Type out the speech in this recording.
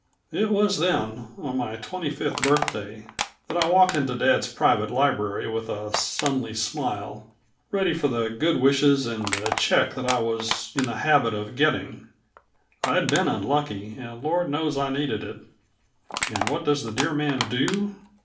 It was then, on my twenty fifth birthday, that I walked into dad's private library with a sonly smile, ready for the good wishes and the check that I was in the habit of getting I'd been unlucky, and Lord knows I needed it! and what does the dear man do?